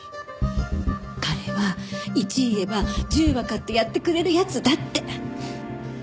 彼は１言えば１０わかってやってくれる奴だって。